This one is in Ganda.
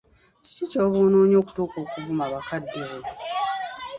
Kiki ky'oba onoonya okutuuka okuvuma bakaddebo?